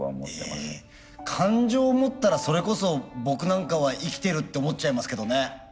感情を持ったらそれこそ僕なんかは生きてるって思っちゃいますけどね。